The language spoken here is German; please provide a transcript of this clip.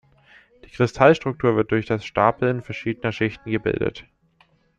Die Kristallstruktur wird durch das Stapeln verschiedener Schichten gebildet.